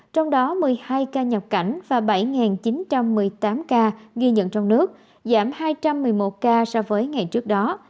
trong đó một mươi hai ca nhập cảnh và bảy chín trăm một mươi tám ca ghi nhận trong nước giảm hai trăm một mươi một ca so với ngày trước đó